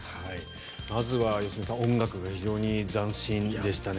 まずは良純さん音楽が非常に斬新でしたね。